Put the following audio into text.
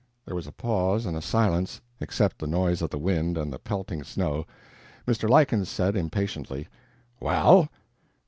There was a pause and a silence except the noise of the wind and the pelting snow. Mr. Lykins said, impatiently: "Well?"